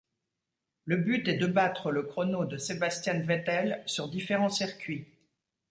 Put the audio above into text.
Le but est de battre le chrono de Sebastian Vettel sur différents circuits.